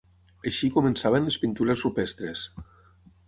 Així començaven les pintures rupestres.